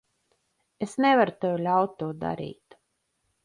Es nevaru tev ļaut to darīt.